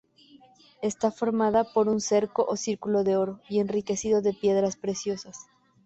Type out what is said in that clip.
Está formada por un cerco o círculo de oro y enriquecido de piedras preciosas.